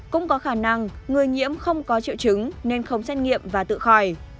cũng có khả năng người nhiễm không có triệu chứng nên không xét nghiệm và tự khỏi